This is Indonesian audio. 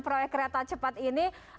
proyek kereta cepat ini